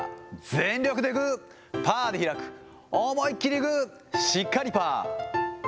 全力でグー、パーで開く、思いっ切りグー、しっかりパー。